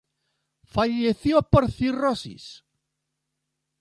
Falleció por cirrosis.